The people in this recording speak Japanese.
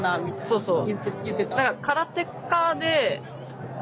そうそう。